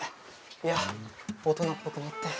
いや大人っぽくなって。